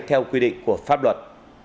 theo quy định của pháp luật